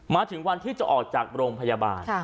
มาถึงวันที่จะออกจากโรงพยาบาล